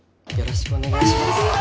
よろしくお願いします。